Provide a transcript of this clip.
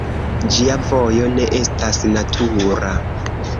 Ĝia vojo ne estas natura.